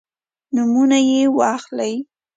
نومونه یې واخلئ.